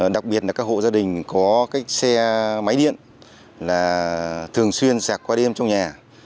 đặc biệt là các hộ gia đình có cái xe máy điện là thường xuyên xạc qua đêm trong nhà